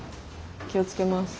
気を付けます。